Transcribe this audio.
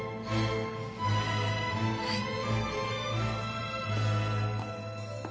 はい。